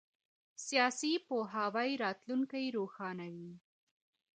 سیاسي پوهاوی راتلونکی روښانوي